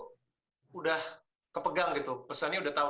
orang tuh udah kepegang gitu pesannya udah tahu